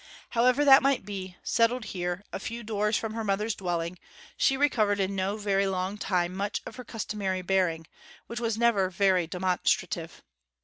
However that might be, settled here, a few doors from her mother's dwelling, she recovered in no very long time much of her customary bearing, which was never very demonstrative.